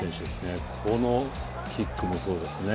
このキックもそうですね。